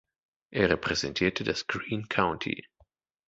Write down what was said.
Er repräsentierte das Greene County.